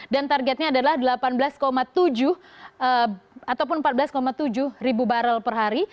dan targetnya adalah delapan belas tujuh ataupun empat belas tujuh ribu barrel per hari